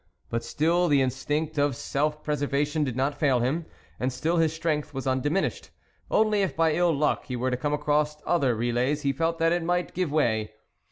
But still the instinct of self preservation did not fail him ; and still his strength was undiminished ; only, if by ill luck, he were to come across other re lays, he felt that it might give way.